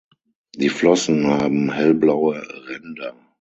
Die Flossen haben hellblaue Ränder.